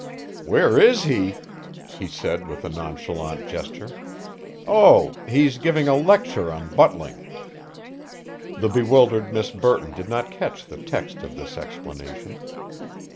"Where is he?" he said with a nonchalant gesture. "Oh, he's giving a lecture on butling." The bewildered Miss Burton did not catch the text of this explanation.